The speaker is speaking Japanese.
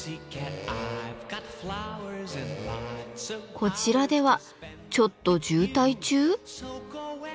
こちらではちょっと渋滞中？